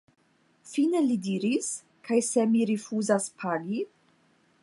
Fine li diris: Kaj se mi rifuzas pagi?